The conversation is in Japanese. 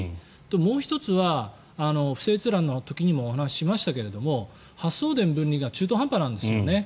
もう１つは不正閲覧の時にもお話ししましたが発送電分離が中途半端なんですよね。